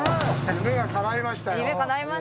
夢、かないました。